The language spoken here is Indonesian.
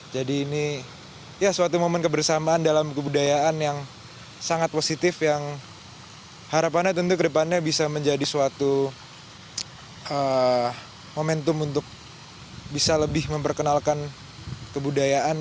jadi ini ya suatu momen kebersamaan dalam kebudayaan yang sangat positif yang harapannya tentu ke depannya bisa menjadi suatu momentum untuk bisa lebih memperkenalkan kebudayaan